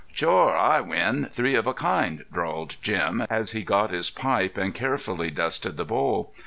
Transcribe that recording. "Shore, I win, three of a kind," drawled Jim, as he got his pipe and carefully dusted the bowl.